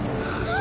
あ！